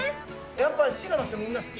やっぱ滋賀の人みんな好き？